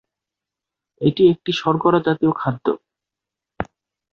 এটি একটি শর্করা জাতীয় খাদ্য।